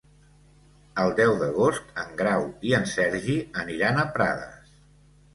El deu d'agost en Grau i en Sergi aniran a Prades.